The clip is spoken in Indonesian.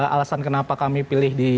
alasan kenapa kami pilih di